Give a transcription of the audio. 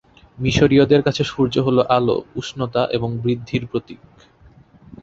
মিশরীয়দের কাছে সূর্য হল আলো, উষ্ণতা এবং বৃদ্ধির প্রতীক।